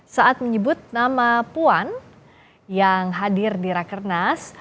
saat menyebut nama puan yang hadir di rakernas